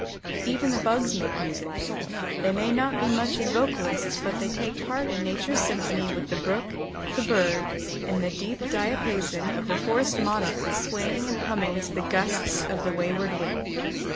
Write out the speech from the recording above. Even the Bugs make music. They may not be much as vocalists but they take part in nature's symphony with the brook, the Bird, and the deep diapason of the forest monarch swaying and humming to the gusts of the wayward wind.